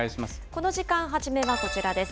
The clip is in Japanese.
この時間、初めはこちらです。